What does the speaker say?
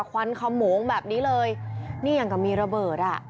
ควันขโมงแบบนี้เลยนี่อย่างกับมีระเบิดอ่ะ